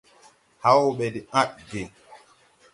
Haw ɓɛ de ãdge.